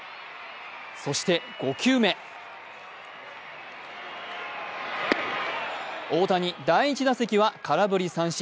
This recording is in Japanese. そして、５球目大谷、第１打席は空振り三振。